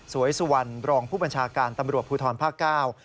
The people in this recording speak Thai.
สุวรรณรองผู้บัญชาการตำรวจภูทรภาคเก้า